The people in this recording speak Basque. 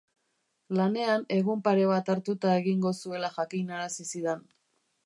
Lanean egun pare bat hartuta egingo zuela jakinarazi zidan.